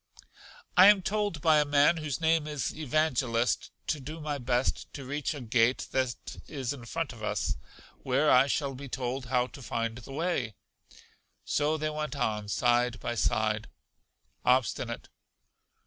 I am told by a man whose name is Evangelist, to do my best to reach a gate that is in front of us, where I shall be told how to find the way. So they went on side by side. Obstinate.